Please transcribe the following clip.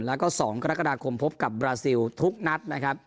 แล้วก็๒กรกฎาคมพบกับบราซิลทุกนัดนะครับ